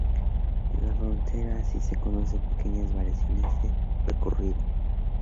La frontera así se conocen pequeñas variaciones de recorrido.